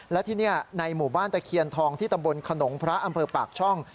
และที่นี่ในหมู่บ้านตะเคียนทองที่ตำบลขนงพระอำเภอปากช่อง